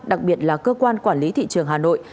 đặc biệt là cơ quan quản lý thị trường hà nội